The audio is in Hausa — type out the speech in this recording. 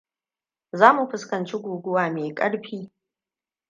Za mu fuskanci guguwa mai ƙarfi.